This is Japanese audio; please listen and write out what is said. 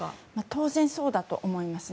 当然そうだと思います。